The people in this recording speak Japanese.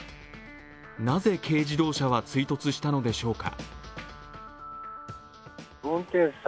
なぜ軽自動車は追突したのでしょうか。